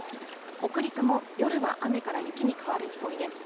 北陸も夜は雨から雪に変わる見込みです。